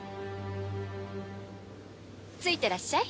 ついてらっしゃい。